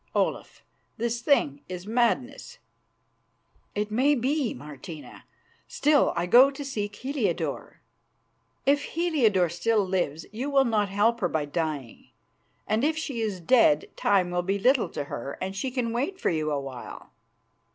Olaf, this thing is madness." "It may be, Martina. Still, I go to seek Heliodore." "If Heliodore still lives you will not help her by dying, and if she is dead time will be little to her and she can wait for you a while."